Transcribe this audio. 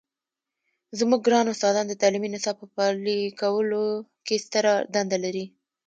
زموږ ګران استادان د تعلیمي نصاب په پلي کولو کې ستره دنده لري.